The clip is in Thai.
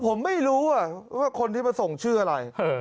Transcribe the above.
ผมไม่รู้ว่าคนที่มาส่งชื่ออะไร